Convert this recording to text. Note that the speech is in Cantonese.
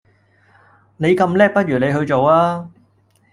你咁叻不如你去做吖